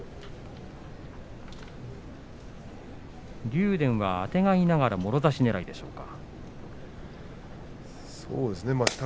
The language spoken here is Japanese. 竜電は、あてがいながらもろ差しねらいでしょうか。